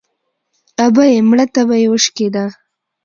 ـ ابۍ مړه تبه يې وشکېده.